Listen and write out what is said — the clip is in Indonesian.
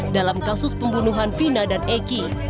dalam kasus pembunuhan vina dan eki